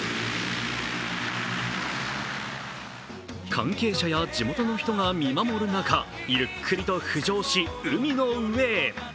関係者や地元の人が見守る中、ゆっくりと浮上し、海の上へ。